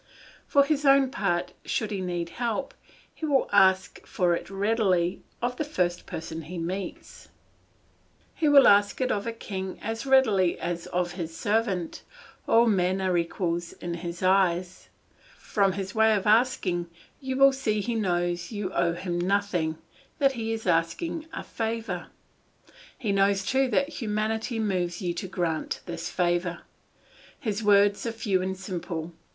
For his own part, should he need help, he will ask it readily of the first person he meets. He will ask it of a king as readily as of his servant; all men are equals in his eyes. From his way of asking you will see he knows you owe him nothing, that he is asking a favour. He knows too that humanity moves you to grant this favour; his words are few and simple.